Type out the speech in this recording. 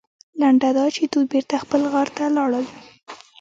لنډه دا چې دوی بېرته خپل غار ته لاړل.